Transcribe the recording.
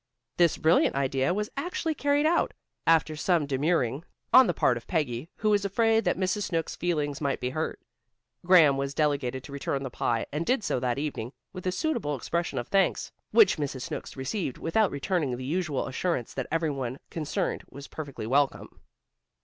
This brilliant idea was actually carried out, after some demurring on the part of Peggy, who was afraid that Mrs. Snooks' feelings might be hurt. Graham was delegated to return the pie and did so that evening, with a suitable expression of thanks which Mrs. Snooks received without returning the usual assurance that every one concerned was perfectly welcome.